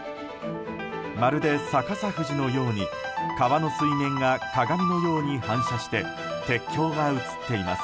まるで逆さ富士のように川の水面が鏡のように反射して鉄橋が映っています。